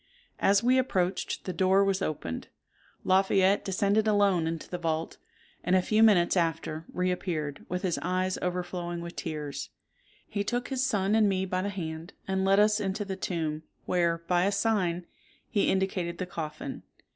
As we approached, the door was opened. Lafayette descended alone into the vault, and a few minutes after re appeared, with his eyes overflowing with tears. He took his son and me by the hand, and led us into the tomb, where, by a sign, he indicated the coffin.